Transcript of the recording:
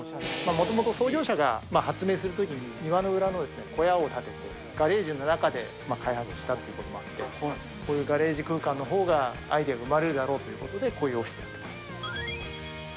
もともと創業者が発明するときに、庭の裏に小屋を建てて、ガレージの中で開発したっていうこともあって、こういうガレージ空間のほうがアイデアが生まれるだろうということで、こういうオフィスになってます。